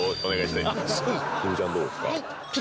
丹生ちゃんどうですか？